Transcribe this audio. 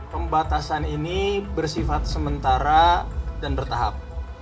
pembatasan ini bersifat sementara dan bertahap